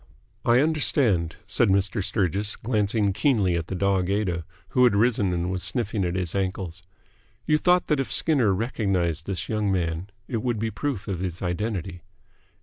"I understand," said Mr. Sturgis, glancing keenly at the dog Aida, who had risen and was sniffing at his ankles. "You thought that if Skinner recognised this young man, it would be proof of his identity?"